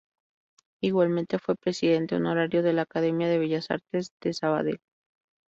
Igualmente, fue presidente honorario de la Academia de Bellas artes de Sabadell.